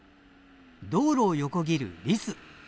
道路を横切るリス。